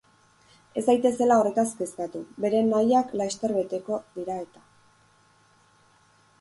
Ez daitezela horretaz kezkatu, beren nahiak laster beteko dira eta.